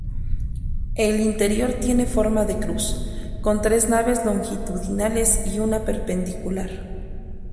El interior tiene forma de cruz, con tres naves longitudinales y una perpendicular.